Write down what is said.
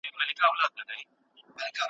د خاطب يا زوم لپاره مهمي لارښووني کومي دي؟